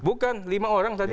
bukan lima orang tadi